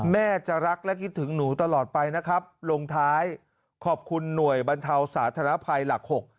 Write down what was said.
แม่จะรักและคิดถึงหนูตลอดไปนะครับลงท้ายขอบคุณหน่วยบรรเทาสาธารณภัยหลักหก